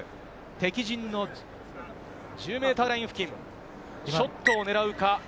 敵陣の１０メートルライン付近、ショットを狙うか？